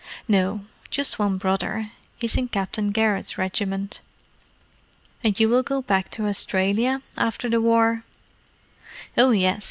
"No. Just one brother—he's in Captain Garrett's regiment." "And you will go back to Australia after the war?" "Oh, yes.